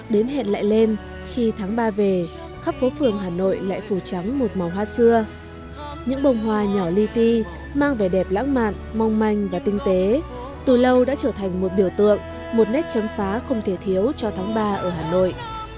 đến hẹn lại lên khi tháng ba về khắp phố phường hà nội lại phủ trắng một màu hoa xưa những bông hoa nhỏ lyti mang vẻ đẹp lãng mạn mong manh và tinh tế từ lâu đã trở thành một biểu tượng một nét chấm phá không thể thiếu cho tháng ba ở hà nội